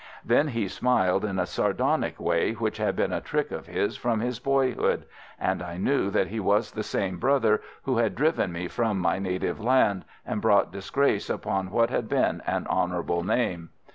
Then he smiled in a sardonic way which had been a trick of his from his boyhood, and I knew that he was the same brother who had driven me from my native land, and brought disgrace upon what had been an honourable name.